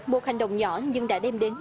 một hành động nhỏ nhưng đã đem đến